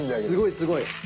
すごいすごい。